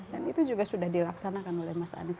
dan itu juga sudah dilaksanakan oleh mas anies